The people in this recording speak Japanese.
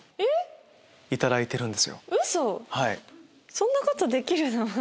ウソ⁉そんなことできるの？